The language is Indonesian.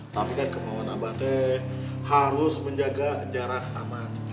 tapi kan kemauan abah teh harus menjaga jarak aman